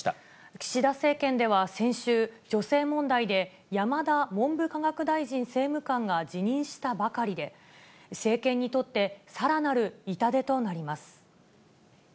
岸田政権では先週、女性問題で山田文部科学大臣政務官が辞任したばかりで、政権にとってさらなる痛手となります。